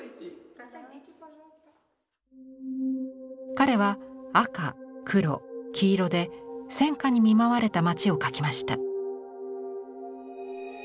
彼は赤黒黄色で戦禍に見舞われた町を描きました。